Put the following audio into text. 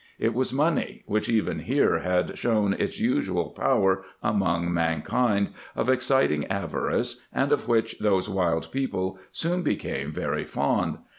It was money, which, even here, had shown its usual power among mankind, of exciting avarice, and of which those wild people soon became very fond.